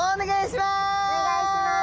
お願いします。